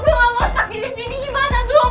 gue gak mau stuck di lift ini gimana dong